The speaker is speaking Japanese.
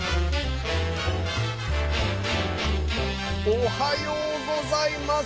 おはようございます！